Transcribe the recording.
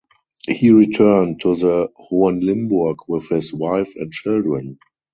He returned to the Hohenlimburg with his wife and children.